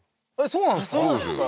そうなんですか？